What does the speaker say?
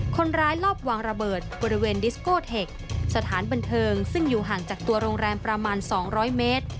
คนร้ายรอบวางระเบิดบริเวณดิสโก้เทคสถานบันเทิงซึ่งอยู่ห่างจากตัวโรงแรมประมาณ๒๐๐เมตร